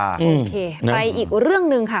ไปอีกเรื่องนึงค่ะ